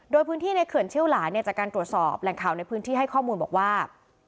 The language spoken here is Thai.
โดยพื้นที่ในเขื่อนเชี่ยวหลานเนี่ยจากการตรวจสอบแหล่งข่าวในพื้นที่ให้ข้อมูลบอกว่า